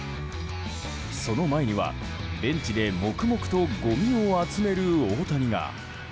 その前には、ベンチで黙々とごみを集める大谷が。